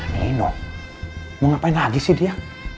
pak nino mau ngapain lagi sih dia